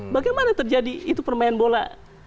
bagaimana terjadi itu permain bola